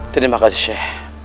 terima kasih seh